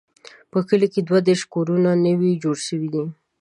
په کلي کې دوه دیرش کورونه نوي جوړ شوي دي.